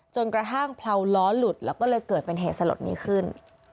กระทั่งเผลาล้อหลุดแล้วก็เลยเกิดเป็นเหตุสลดนี้ขึ้น